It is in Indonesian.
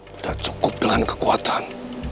tidak cukup dengan kekuatan